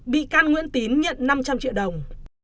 quà tết tiền tỷ nên phải ngấp miệng im lặng